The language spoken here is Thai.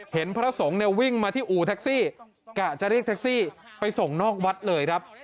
พระสงฆ์เนี่ยวิ่งมาที่อู่แท็กซี่กะจะเรียกแท็กซี่ไปส่งนอกวัดเลยครับ